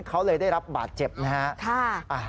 เขาเลยได้รับบาดเจ็บนะฮะ